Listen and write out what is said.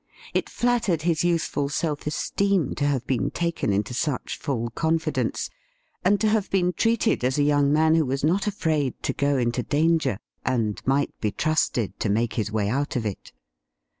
It flattered his youthful self esteem to have been taken into such full confidence, and to have been treated as a young man who was not afraid to go 172 THE RIDDLE RING into danger, and might be trusted to make his way out of it.